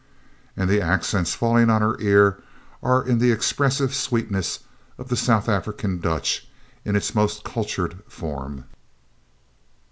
And the accents falling on her ear are in the expressive sweetness of the South African Dutch, in its most cultured form.